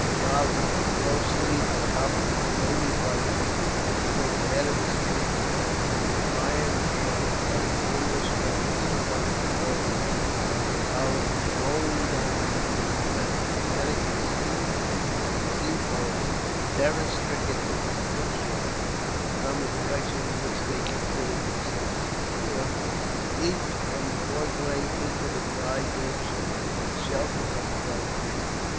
Charlie, closely accompanied always by Tim, was at the head of his troops when the iron hail of the English guns struck the head of the column, mowing down numbers of men. A panic ensued, and the Sepoys, terror stricken at this discharge, from a direction in which they considered themselves secure, leaped from the causeway into the dry ditch and sheltered themselves there.